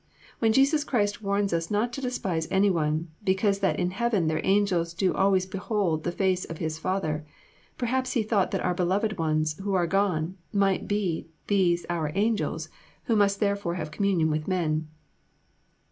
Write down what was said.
When Jesus Christ warns us not to despise any one, because that in Heaven their angels do always behold the face of His Father, perhaps He thought that our beloved ones, who are gone, might be these our "angels," who must therefore have communion with men.